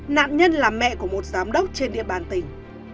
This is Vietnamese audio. nạn nhân là mẹ của một giám đốc trên địa bàn tỉnh